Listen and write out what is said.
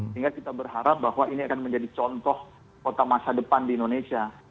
sehingga kita berharap bahwa ini akan menjadi contoh kota masa depan di indonesia